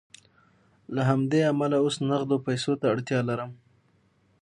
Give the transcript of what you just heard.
له همدې امله اوس نغدو پیسو ته اړتیا لرم